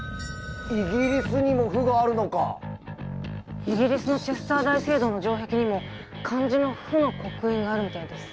イギリスにも「不」があるのかイギリスのチェスター大聖堂の城壁にも漢字の「不」の刻印があるみたいです